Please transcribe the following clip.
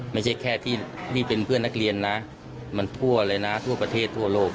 ไม่ใช่แค่ที่นี่เป็นเพื่อนนักเรียนนะมันทั่วเลยนะทั่วประเทศทั่วโลก